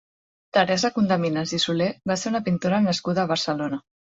Teresa Condeminas i Soler va ser una pintora nascuda a Barcelona.